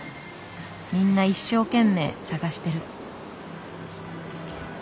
みんな一生懸命探してる。